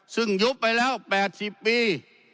ซึ่งยุบไปแล้วแปดสิบปี